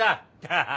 ハハハハ。